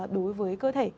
đối với cơ thể